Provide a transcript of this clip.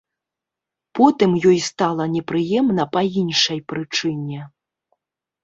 Потым ёй стала непрыемна па іншай прычыне.